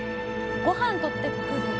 ご飯取ってくるとか。